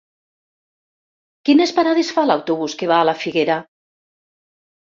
Quines parades fa l'autobús que va a la Figuera?